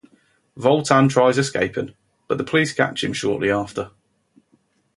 Voltan tries escaping, but the police catch him shortly after.